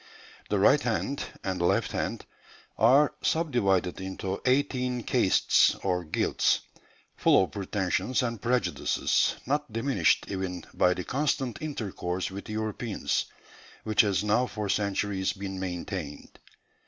The 'right hand' and 'left hand' are subdivided into eighteen castes or guilds, full of pretensions and prejudices, not diminished even by the constant intercourse with Europeans which has now for centuries been maintained.